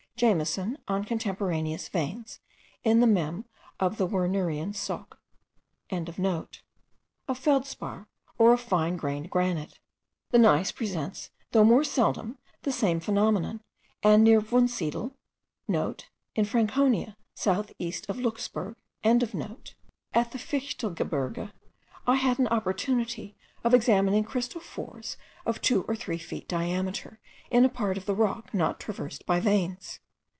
Jameson on Contemporaneous Veins, in the Mem. of the Wernerian Soc.) of feldspar, or of fine grained granite. The gneiss presents, though more seldom, the same phenomenon; and near Wunsiedel,* (* In Franconia, south east of Luchsburg.) at the Fichtelgebirge, I had an opportunity of examining crystal fours of two or three feet diameter, in a part of the rock not traversed by veins.